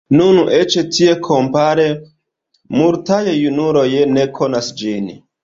Nun, eĉ tie kompare multaj junuloj ne konas ĝin.